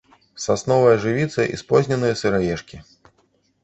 Сасновая жывіца і спозненыя сыраежкі.